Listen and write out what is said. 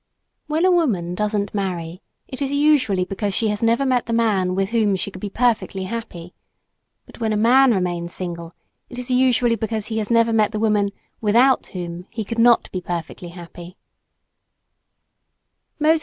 When a woman doesn't marry it is usually because she has never met the man with whom she could be perfectly happy; but when a man remains single it is usually because he has never met the woman without whom he could not be perfectly happy.